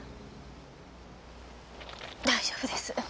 大丈夫です。